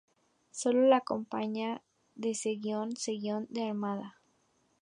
Solo la compañía de Seguin siguió en la Armada.